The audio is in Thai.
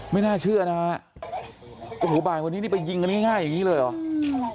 ไม่น่าเชื่อนะฮะโอ้โหบ่ายวันนี้นี่ไปยิงกันง่ายอย่างนี้เลยเหรอ